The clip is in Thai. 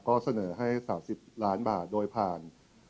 ก็เสนอให้๓๐ล้านบาทโดยผ่าน